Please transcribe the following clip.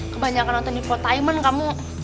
kebanyakan nonton dipo taiman kamu